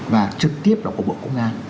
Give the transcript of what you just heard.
và trực tiếp là của bộ công an